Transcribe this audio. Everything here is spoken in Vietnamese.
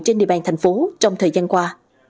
trên địa bàn thành phố trong thời gian qua